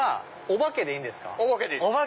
お化けでいいです。